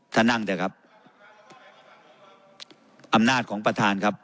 ท่านนั่งเถอะครับอำนาจของประธานครับ